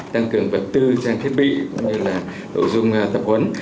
tăng cường vật tư trang thiết bị cũng như là nội dung tập huấn